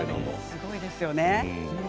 すごいですよね。